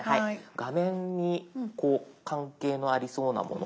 画面に関係ありそうなもの？